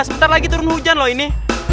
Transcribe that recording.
sebentar lagi turun hujan loh ini